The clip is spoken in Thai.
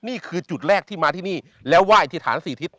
นี่คือจุดแรกที่มาที่นี่แล้วไหว้ที่ฐานสี่ทิศ